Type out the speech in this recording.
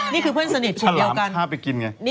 นี่คือเพื่อนสนิทชุดเดียวกัน